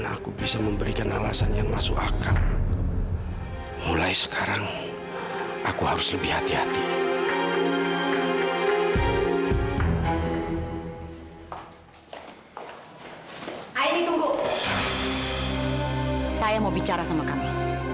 akan percintaan mama kamu yang tercinta ini